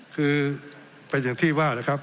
คือเป็นอย่างที่ว่านะครับ